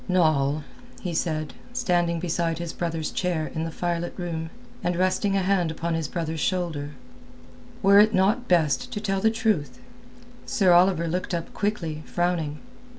"Noll," he said, standing beside his brother's chair in the firelit gloom, and resting a hand upon his brother's shoulder, "were it not best to tell the truth?" Sir Oliver looked up quickly, frowning.